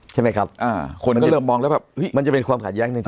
ใช่ไหมครับคนก็เริ่มมองแล้วแบบมันจะเป็นความขัดแย้งหนึ่ง